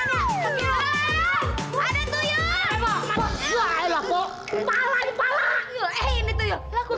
tuyulnya tadi di mana